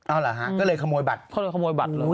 อ้าวเหรอฮะก็เลยขโมยบัตร